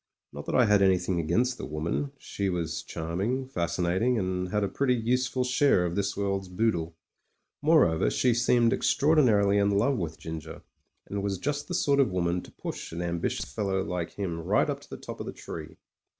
Not that I had an3rthing against the woman: she was charming, fascinating, and had a pretty use ful share of this world's boodle. Moreover, she seemed extraordinarily in love with Ginger, and was just the sort of woman to push an ambitious fellow like him SPUD TREVOR OF THE RED HUSSARS 8i right up to the top of the tree.